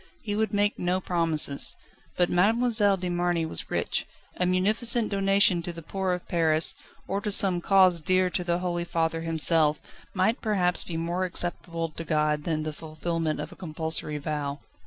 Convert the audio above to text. He would make no promises. But Mademoiselle de Marny was rich: a munificent donation to the poor of Paris, or to some cause dear to the Holy Father himself, might perhaps be more acceptable to God than the fulfilment of a compulsory vow.